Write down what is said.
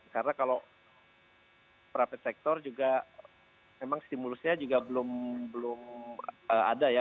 karena kalau private sector juga memang stimulusnya juga belum ada ya